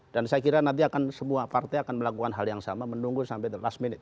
dan saya kira nanti akan semua partai akan melakukan hal yang sama menunggu sampai the last minute